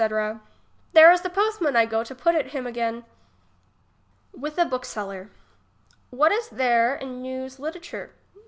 There is the postman I go to put it him again. With a bookseller. What is there in new's litterature?